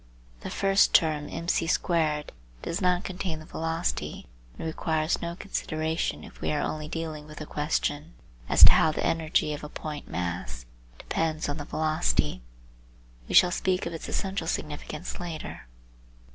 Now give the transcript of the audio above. The first term mc^2 does not contain the velocity, and requires no consideration if we are only dealing with the question as to how the energy of a point mass; depends on the velocity. We shall speak of its essential significance later.